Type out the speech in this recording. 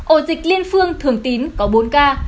ổ dịch liên phương thường tín có bốn ca